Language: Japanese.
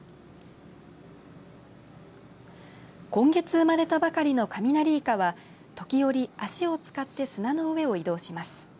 今月生まれたばかりのカミナリイカは時折、足を使って砂の上を移動します。